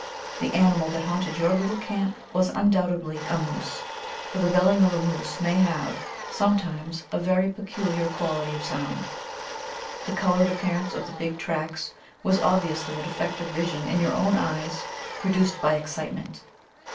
The animal that haunted your little camp was undoubtedly a moose, for the 'belling' of a moose may have, sometimes, a very peculiar quality of sound. The colored appearance of the big tracks was obviously a defect of vision in your own eyes produced by excitement.